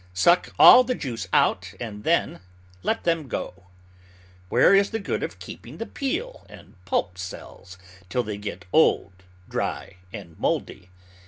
Suck all the juice out and then let them go. Where is the good of keeping the peel and pulp cells till they get old, dry, and mouldy?